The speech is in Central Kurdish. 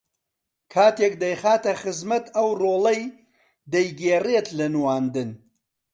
کاتێک دەیخاتە خزمەت ئەو ڕۆڵەی دەیگێڕێت لە نواندن